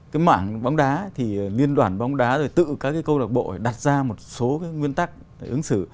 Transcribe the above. cái mảng bóng đá thì liên đoàn bóng đá rồi tự các cái câu lạc bộ đặt ra một số cái nguyên tắc ứng xử